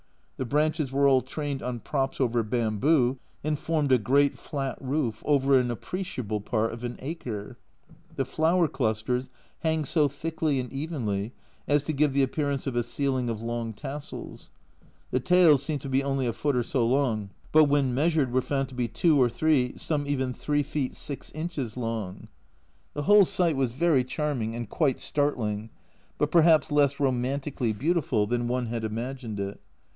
The branches were all trained on props over bamboo, and formed a great flat roof, over an appreciable part of an acre ! The flower clusters hang so thickly and evenly as to give the appearance of a ceiling of long tassels. The tails seemed to be only a foot or so long, but when measured were found to be 2 or 3, some even 3 feet 6 inches long ! The whole sight was very charming, and quite startling, but perhaps less romantically beautiful than 156 A Journal from Japan one had imagined it.